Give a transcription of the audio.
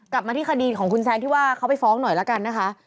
กลับมาที่คดีของคุณแซนที่ว่าเขาไปฟ้องหน่อยละกันนะคะ